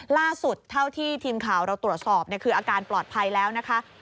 ล่าสุดเท่าที่ทีมข่าวเราตรวจสอบคืออาการปลอดภัยแล้วนะคะ